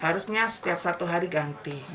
harusnya setiap satu hari ganti